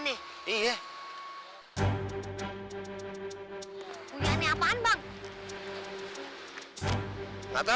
bunyi aneh apaan bang